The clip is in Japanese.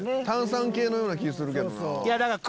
炭酸系のような気ぃするけどな。